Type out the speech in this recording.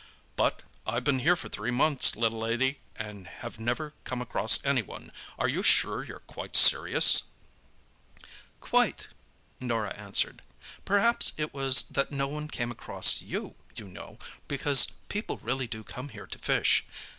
But—I've been here for three months, little lady, and have never come across anyone. Are you sure you're quite serious?" "Quite," Norah answered. "Perhaps it was that no one came across you, you know, because people really do come here to fish.